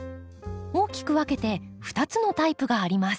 大きく分けて２つのタイプがあります。